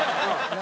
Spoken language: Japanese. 何？